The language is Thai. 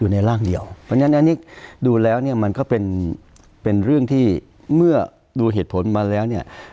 เพราะฉะนั้นอันนี้ดูแล้วมันก็เป็นเรื่องที่เมื่อดูเหตุผลมาแล้ว